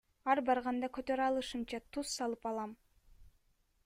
Ар барганда көтөрө алышымча туз салып алам.